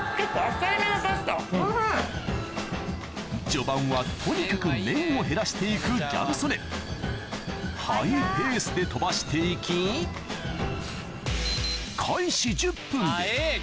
序盤はとにかく麺を減らして行くギャル曽根ハイペースで飛ばして行き早えぇ